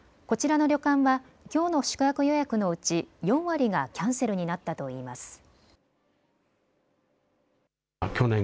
こちらの旅館はきょうの宿泊予約のうち４割がキャンセルになったといいます。